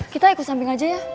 kita ikut samping aja ya